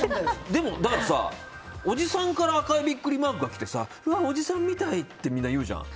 だからさ、おじさんから赤いビックリマークがきてうわ、おじさんみたいってみんな言うじゃない。